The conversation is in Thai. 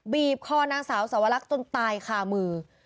บีบคอนางสาวสวรรคจนตายคามือ